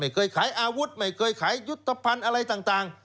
ขายอาวุธไม่เคยขายยุทธภัณฑ์อะไรต่าง